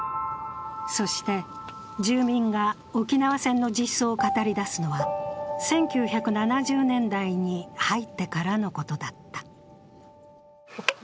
そして、住民が沖縄戦の実相を語り出すのは、１９７０年代に入ってからのことだった。